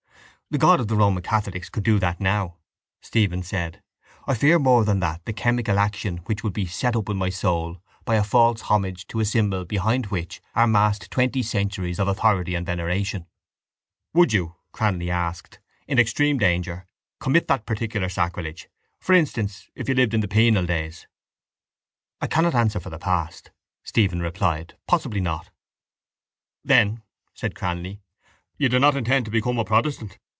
—The God of the Roman catholics could do that now, Stephen said. I fear more than that the chemical action which would be set up in my soul by a false homage to a symbol behind which are massed twenty centuries of authority and veneration. —Would you, Cranly asked, in extreme danger, commit that particular sacrilege? For instance, if you lived in the penal days? —I cannot answer for the past, Stephen replied. Possibly not. —Then, said Cranly, you do not intend to become a protestant?